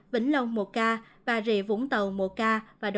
vĩnh long một ca và rịa vũng tàu một ca